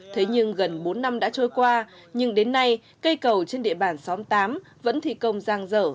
thế nhưng gần bốn năm đã trôi qua nhưng đến nay cây cầu trên địa bàn xóm tám vẫn thi công giang dở